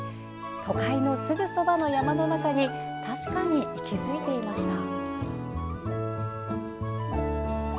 都会のすぐそばの山の中に確かに息づいていました。